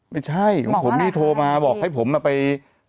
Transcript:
ไม่ใช่ของผมนี่โทรมาบอกให้ผมไป